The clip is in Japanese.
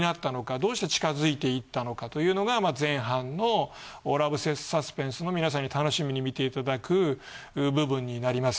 どうして近づいていったのか？というのが前半のラブサスペンスの皆さんの楽しみに見ていただく部分になります。